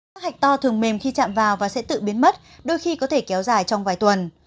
các hạch to thường mềm khi chạm vào và sẽ tự biến mất đôi khi có thể kéo dài trong vài tuần